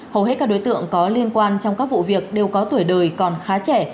hầu hết các đối tượng có liên quan trong các vụ việc đều có tuổi đời còn khá trẻ